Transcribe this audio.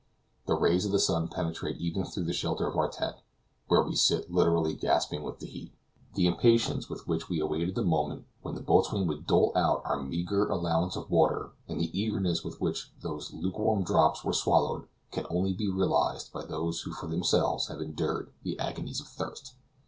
The rays of the sun penetrate even through the shelter of our tent, where we sit literally gasping with the heat. The impatience with which we awaited the moment when the boatswain should dole out our meager allowance of water, and the eagerness with which those lukewarm drops were swallowed, can only be realized by those who for themselves have endured the agonies of thirst.